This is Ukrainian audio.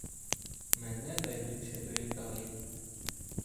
Мене найбільше доїдає